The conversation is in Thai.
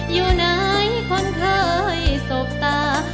อยู่ไหนคนเคยสบตา